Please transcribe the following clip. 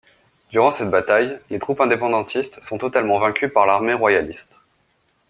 Durant cette bataille, les troupes indépendantistes sont totalement vaincues par l'armée royaliste.